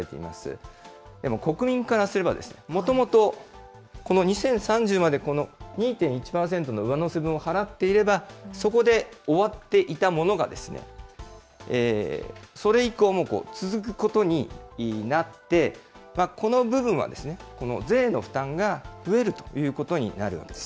でも国民からすれば、もともと、この２０３０まで２．１％の上乗せ分を払っていれば、そこで終わっていたものが、それ以降も続くことになって、この部分は、この税の負担が増えるということになるんです。